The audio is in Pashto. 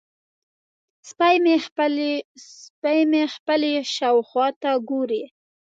سپی مې خپلې شاوخوا ته ګوري.